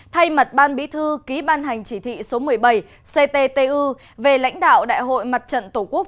thay mặt ban bí thư ký ban hành chỉ thị số một mươi bảy cttu về lãnh đạo đại hội mặt trận tổ quốc